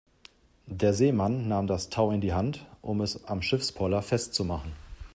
Der Seemann nahm das Tau in die Hand, um es am Schiffspoller festzumachen.